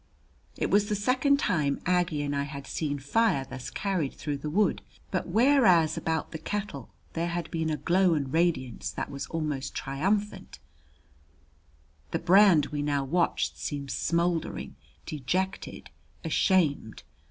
It was the second time Aggie and I had seen fire thus carried through the wood; but whereas about the kettle there had been a glow and radiance that was almost triumphant, the brand we now watched seemed smouldering, dejected, ashamed.